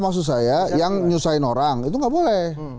maksud saya yang nyusahin orang itu nggak boleh